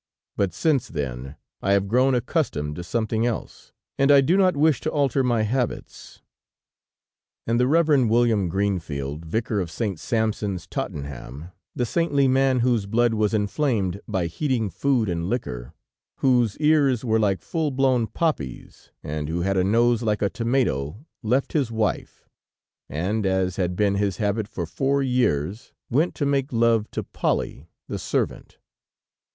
But since then, I have grown accustomed to something else, and I do not wish to alter my habits." And the Reverend William Greenfield, Vicar of St. Sampson's, Tottenham, the saintly man whose blood was inflamed by heating food and liquor, whose ears were like full blown poppies and who had a nose like a tomato, left his wife and, as had been his habit for four years, went to make love to Polly, the servant.